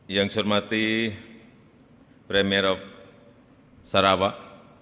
yang saya hormati premier of sarawak